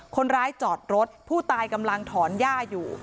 คนร้ายจอดรถผู้ตายกำลังถอนหญ้าอยู่